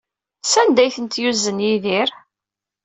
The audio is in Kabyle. Sanda ay tent-yuzen Yidir?